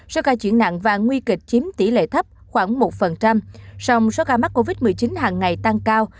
số ca chuyển nặng và nguy kịch chiếm tỷ lệ thấp khoảng một song số ca mắc covid một mươi chín hàng ngày tăng cao